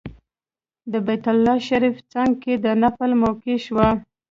د بیت الله شریف څنګ کې د نفل موقع شوه.